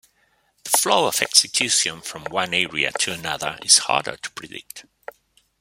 The flow of execution from one area to another is harder to predict.